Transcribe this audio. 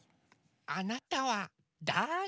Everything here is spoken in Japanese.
あなたはだあれ？